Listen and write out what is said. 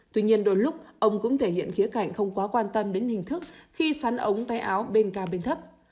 tuy nhiên đôi lúc ông cũng thể hiện khía cạnh không quá quan tâm đến hình thức khi sắn ống tay áo bên ca bên thấp